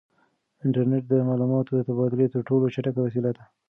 انټرنیټ د معلوماتو د تبادلې تر ټولو چټکه وسیله ده.